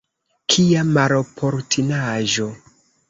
Kia maloportunaĵo!